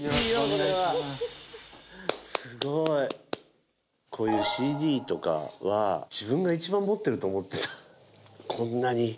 これはすごいこういうＣＤとかは自分が一番持ってると思って